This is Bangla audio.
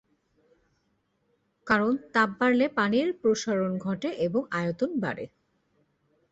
কারণ তাপ বাড়লে পানির প্রসারণ ঘটে এবং আয়তন বাড়ে।